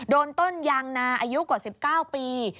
ต้นยางนาอายุกว่า๑๙ปี